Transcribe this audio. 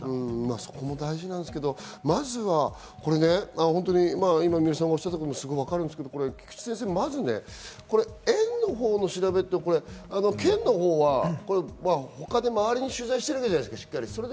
そこも大事ですけど、まずは今、三浦さんがおっしゃったことよくわかるんですけど、菊地先生、まずは園のほうの調べで県は周りに取材してるわけじゃないですか。